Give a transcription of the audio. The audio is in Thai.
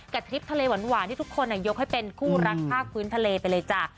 ทริปทะเลหวานที่ทุกคนยกให้เป็นคู่รักภาคพื้นทะเลไปเลยจ้ะ